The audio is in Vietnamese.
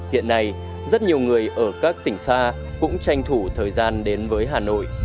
hiện nay rất nhiều người ở các tỉnh xa cũng tranh thủ thời gian đến với hà nội